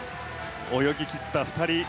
泳ぎ切った２人。